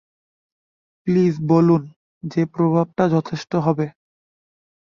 Please বলুন যে প্রভাবটা যথেষ্ট হবে!